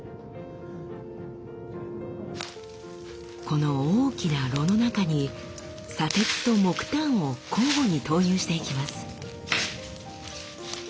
この大きな炉の中に砂鉄と木炭を交互に投入していきます。